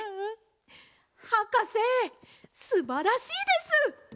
はかせすばらしいです！